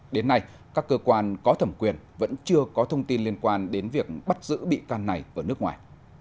đến nay các cơ quan có thẩm quyền vẫn chưa có thông tin liên quan đến việc bắt giữ bị can này ở nước ngoài